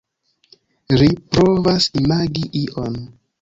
Ri provas imagi ion.